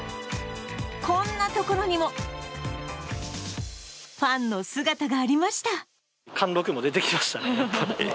こんなところにも、ファンの姿がありました。